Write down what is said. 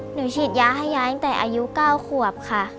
ฉีดยาให้ยายตั้งแต่อายุ๙ขวบค่ะ